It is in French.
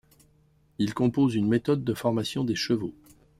Il compose une méthode de formation des chevaux.